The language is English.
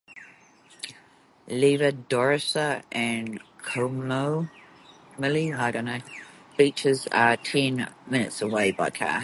Livadostra and Koromili beaches are ten minutes away by car.